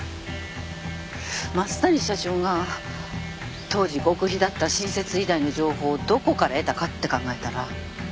増谷社長が当時極秘だった新設医大の情報をどこから得たかって考えたら。